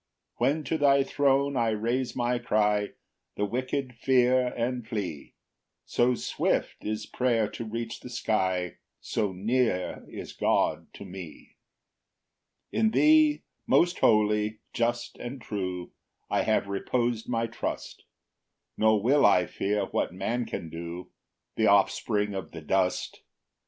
7 When to thy throne I raise my cry The wicked fear and flee; So swift is prayer to reach the sky, So near is God to me. 8 In thee, most holy, just, and true, I have repos'd my trust; Nor will I fear what man can do, The offspring of the dust.